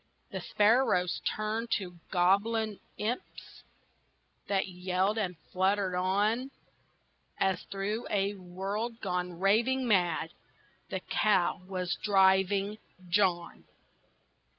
The sparrows turned to goblin imps That yelled, and fluttered on, As through a world, gone raving mad, The cow was driving John!